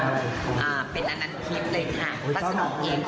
ถูกต้องไหมครับอุ้มของหลวง